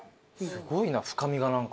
すごいな深みが何か。